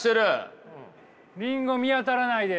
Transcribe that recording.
リンゴ見当たらないです。